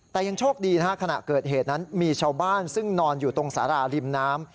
แต่ยังโชคดีนะฮะขณะเกิดเหตุนั้นมีชาวบ้านซึ่งนอนอยู่ตรงสาราริมน้ำ